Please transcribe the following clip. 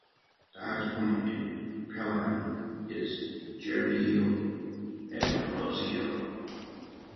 The highest point in Pelham is Jeremy Hill, at above sea level.